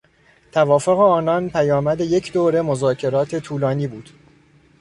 توافق آنان پیامد یک دوره مذاکرات طولانی بود.